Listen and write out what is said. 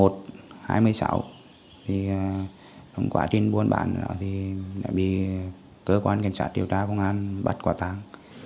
thì trong quá trình buôn bán đó thì đã bị cơ quan cảnh sát điều tra công an bắt quả tán